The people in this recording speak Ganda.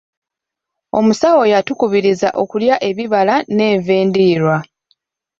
Omusawo yatukubiriza okulya ebibala n'enva endiirwa.